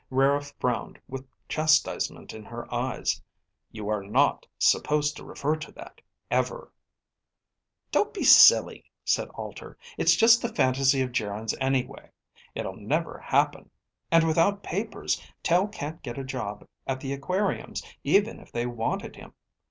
Rara frowned with chastisement in her eyes. "You are not supposed to refer to that, ever." "Don't be silly," said Alter. "It's just a fantasy of Geryn's anyway. It'll never happen. And without papers, Tel can't get a job at the aquariums, even if they wanted him.